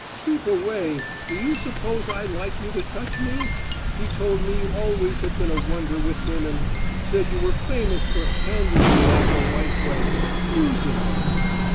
"Keep away! Do you suppose I like you to touch me? He told me you always had been a wonder with women! Said you were famous for `handling them the right way' using them!